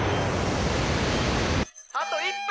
あと１分！